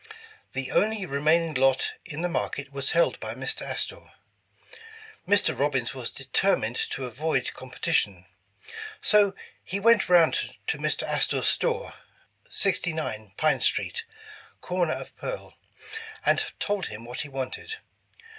The only remaining lot in the market was held by Mr. Astor. Mr. Robbins was deter mined to avoid competition, so went around to Mr. Astor 's store, 69 Pine Street, corner of Pearl, and told him what he wanted.